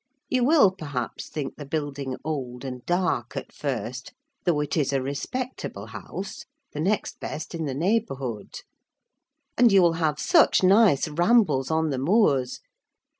You will, perhaps, think the building old and dark at first; though it is a respectable house: the next best in the neighbourhood. And you will have such nice rambles on the moors.